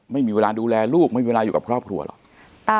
ไม่มีเวลาดูแลลูกไม่มีเวลาอยู่กับครอบครัวหรอก